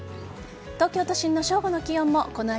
東京都心の正午の気温もこの秋